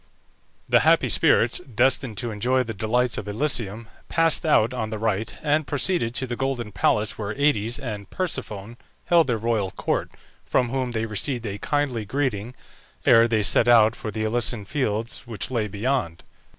The happy spirits, destined to enjoy the delights of Elysium, passed out on the right, and proceeded to the golden palace where Aïdes and Persephone held their royal court, from whom they received a kindly greeting, ere they set out for the Elysian Fields which lay beyond.